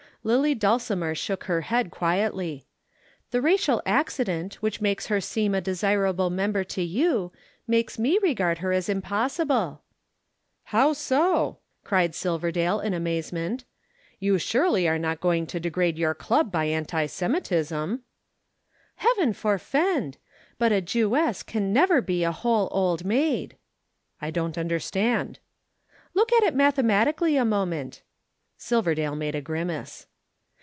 Lillie Dulcimer shook her head quietly. "The racial accident which makes her seem a desirable member to you, makes me regard her as impossible." "How so?" cried Silverdale in amazement. "You surely are not going to degrade your Club by anti Semitism." "Heaven forefend! But a Jewess can never be a whole Old Maid." "I don't understand." "Look at it mathematically a moment." Silverdale made a grimace.